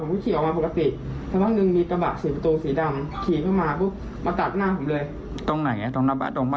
คุยกันดีเลยแล้วคนแก่เขาไปตบ